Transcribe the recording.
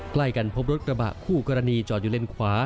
ใกล้กันพบรถกระบะคู่กรณีจอดอยู่เลนขวา